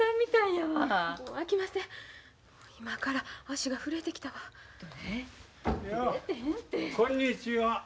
やあこんにちは。